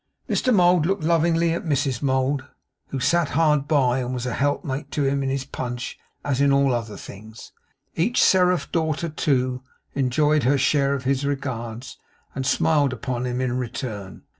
Mr Mould looked lovingly at Mrs Mould, who sat hard by, and was a helpmate to him in his punch as in all other things. Each seraph daughter, too, enjoyed her share of his regards, and smiled upon him in return.